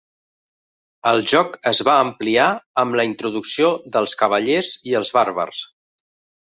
El joc es va ampliar amb la introducció dels cavallers i els bàrbars.